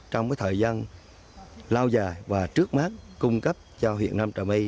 trong cái thời gian lao dài và trước mắt cung cấp cho huyện nam trà mây